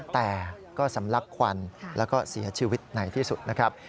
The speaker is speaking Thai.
แต่ก็สำลักควันแล้วก็เสียชีวิตในที่สุดนะครับ